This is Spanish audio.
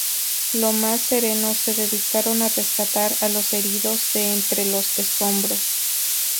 Los más serenos se dedicaron a rescatar a los heridos de entre los escombros.